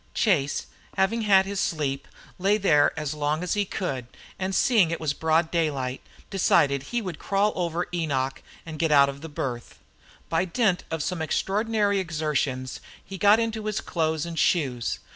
Chase, having had his sleep, lay there as long as he could, and seeing it was broad daylight, decided he would crawl over Enoch and get out of the berth. By dint of some extraordinary exertions he got into his clothes and shoes.